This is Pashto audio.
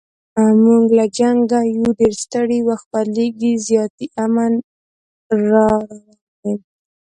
موږ له جنګه یو ډېر ستړي، وخت بدلیږي زیاتي امن را روان دی